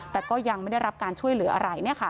แต่ก็ยังไม่ได้รับการช่วยเหลืออะไร